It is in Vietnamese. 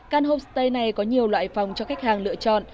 can homestay này có nhiều loại phòng cho khách hàng lựa chọn